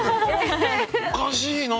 おかしいな。